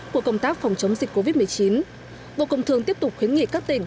của công tác phòng chống dịch covid một mươi chín bộ công thương tiếp tục khuyến nghị các tỉnh